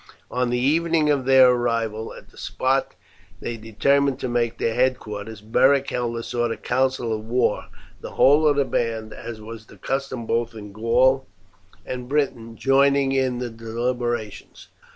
On the evening of their arrival at the spot they determined to make their headquarters, Beric held a sort of council of war, the whole of the band, as was the custom both in Gaul and Britain, joining in the deliberations.